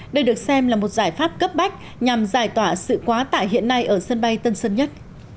đây được xem là một giải pháp cấp bách nhằm giải tỏa sự quá tải hiện nay ở sân bay tân sơn nhất